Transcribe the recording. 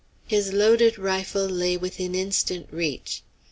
His loaded rifle lay within instant reach.